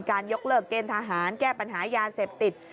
ยกเลิกเกณฑ์ทหารแก้ปัญหายาเสพติด